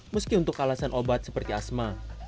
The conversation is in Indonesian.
meski untuk alasan obat seperti asma